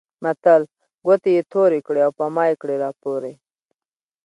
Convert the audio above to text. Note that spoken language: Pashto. متل؛ ګوتې يې تورې کړې او په مايې کړې راپورې.